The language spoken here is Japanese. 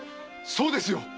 そうですよ！